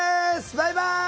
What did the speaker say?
バイバイ！